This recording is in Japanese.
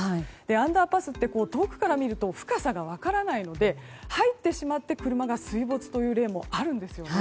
アンダーパスは遠くから見ると深さが分からないので入ってしまって車が水没という例もあるんですよね。